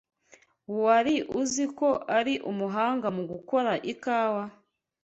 Wari uzi ko ari umuhanga mu gukora ikawa?